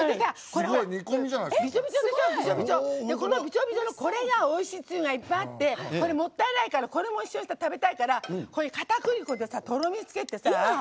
この、びちょびちょのこれがおいしいつゆがいっぱいあってもったいないからこれも食べたいからかたくり粉でとろみつけてさ。